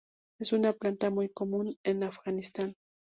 Es una planta muy común en Afganistán.